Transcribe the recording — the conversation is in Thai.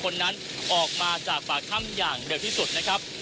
เพื่อให้ทั้งสามคนนั้นออกมาจากผ้าถ้ำอย่างเดิมที่สุดนะครับ